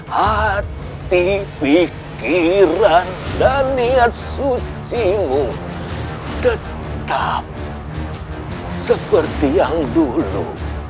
hati pikiran dan niat sucimu tetap seperti yang dulu